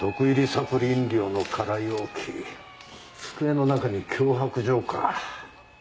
サプリ飲料の空容器机の中に脅迫状か。